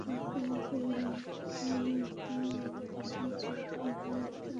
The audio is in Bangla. অতঃপর আমাকে বললেন, তুমি আমার পেছনে চলবে এবং রাস্তার নির্দেশনা দেবে।